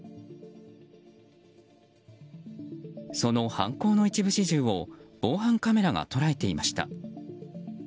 その犯行の一部始終を防犯カメラが捉えていました。